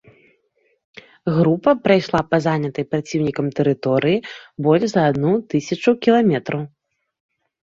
Група прайшла па занятай праціўнікам тэрыторыі больш за адну тысячу кіламетраў.